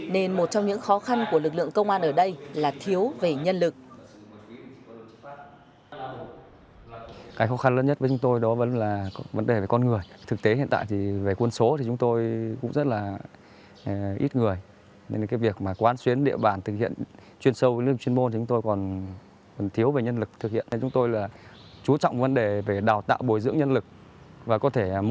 nên một trong những khó khăn của lực lượng công an ở đây là thiếu về nhân lực